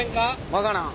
分からん。